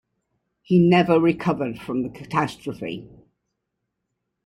He never recovered from the catastrophe.